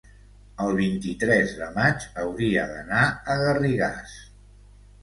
el vint-i-tres de maig hauria d'anar a Garrigàs.